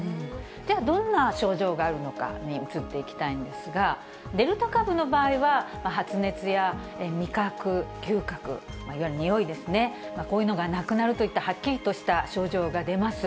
ではどんな症状があるのかに移っていきたいんですが、デルタ株の場合は、発熱や味覚、嗅覚、いわゆるにおいですね、こういうのがなくなるといったはっきりとした症状が出ます。